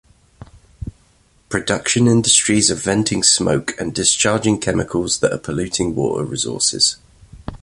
Production industries are venting smoke and discharging chemicals that are polluting water resources.